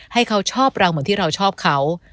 ให้เขาชอบเราเหมือนที่เราชอบเขา